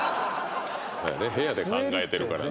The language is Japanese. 「部屋で考えてるからな」